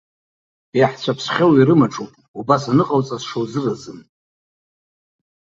Иаҳцәыԥсхьоу ирымаҿуп, убас аныҟоуҵа, сшузыразым.